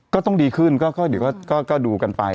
ก็ต้องดีขึ้นก็ดูกันไป